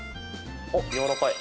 あっやわらかい。